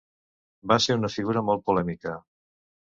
Va ser una figura molt polèmica.